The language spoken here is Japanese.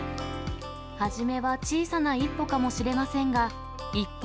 初めは小さな一歩かもしれませんが、一歩